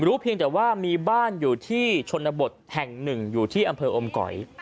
เพียงแต่ว่ามีบ้านอยู่ที่ชนบทแห่งหนึ่งอยู่ที่อำเภออมก๋อย